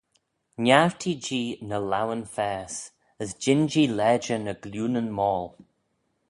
Niartee-jee ny laueyn faase, as jean-jee lajer ny glioonyn moal.